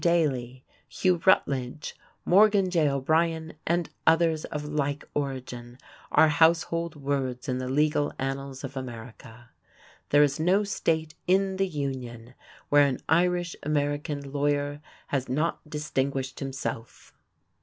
Daly, Hugh Rutledge, Morgan J. O'Brien, and others of like origin, are household words in the legal annals of America. There is no State in the Union where an Irish American lawyer has not distinguished himself.